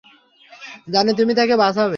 জানি, তুমি তাকে বাচাবে।